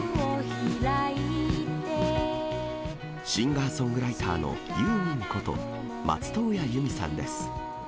シンガーソングライターのユーミンこと、松任谷由実さんです。